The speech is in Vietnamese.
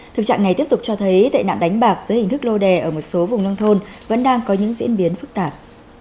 thực trạng này tiếp tục cho thấy tệ nạn đánh bạc dưới hình thức lô đề ở một số vùng nông thôn vẫn đang có những diễn biến phức tạp